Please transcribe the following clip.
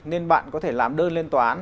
nên bạn có thể làm đơn lên tòa án